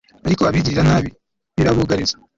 ariko abagiranabi birabugariza